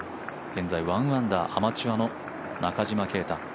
現在、１アンダーアマチュアの中島啓太。